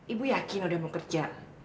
ibu yakin udah mau kerja